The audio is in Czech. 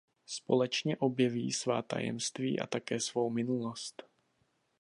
Společně objeví svá tajemství a také svou minulost.